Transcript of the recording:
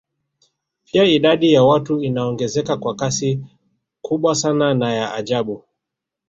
Pia idadi ya watu inaongezeka kwa kasi kubwa sana na ya ajabu